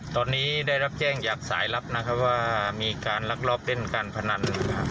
ตอนนี้ได้รับแจ้งจากสายลับนะครับว่ามีการลักลอบเล่นการพนัน